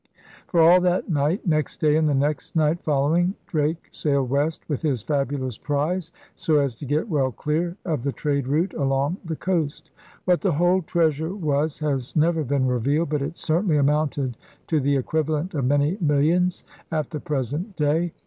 For all that night, next day, and the next night following Drake sailed west with his fabulous prize so as to get well clear of the trade route along the coast. What the whole treasure was has never been revealed. But it certainly amounted to the equivalent of many millions at the present day.